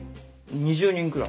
２０人くらい。